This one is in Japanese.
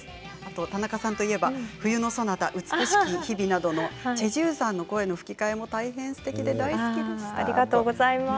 田中さんといえば「冬のソナタ」「美しき日々」などのチェ・ジウさんの声の吹き替えも大変すてきで大好きでした。